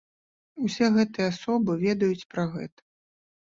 Усе гэтыя асобы ведаюць пра гэта.